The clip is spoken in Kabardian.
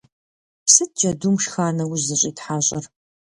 Сыт джэдум шха нэужь зыщӀитхьэщӀыр?